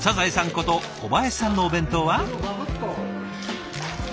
こと小林さんのお弁当は？